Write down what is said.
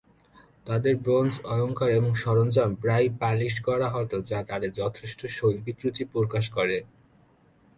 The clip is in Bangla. তাদের ব্রোঞ্জ অলঙ্কার এবং সরঞ্জাম প্রায়ই পালিশ করা হত যা তাদের যথেষ্ট শৈল্পিক রুচি প্রকাশ করে।